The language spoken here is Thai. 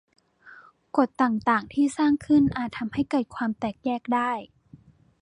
กฎต่าง ๆ ที่สร้างขึ้น อาจทำให้เกิดความแตกแยกได้